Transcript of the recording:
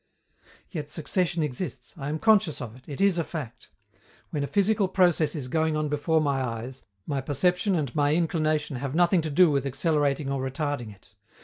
Yet succession exists; I am conscious of it; it is a fact. When a physical process is going on before my eyes, my perception and my inclination have nothing to do with accelerating or retarding it.